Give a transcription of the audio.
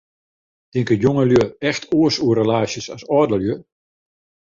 Tinke jongelju echt oars oer relaasjes as âldelju?